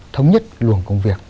thống nhất luồng công việc